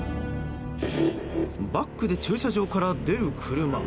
バックで駐車場から出る車。